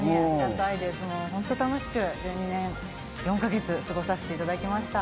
本当に楽しく１２年４か月やらせていただきました。